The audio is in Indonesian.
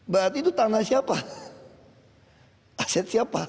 berarti itu tanah siapa aset siapa